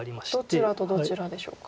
どちらとどちらでしょうか？